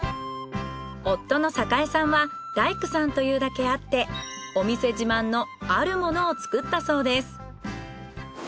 夫の栄さんは大工さんというだけあってお店自慢のあるものを作ったそうです。